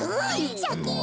シャキン。